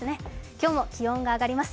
今日も気温が上がります。